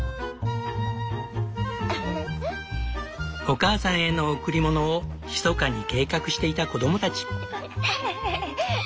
お母さんへの贈り物をひそかに計画していた子どもたち。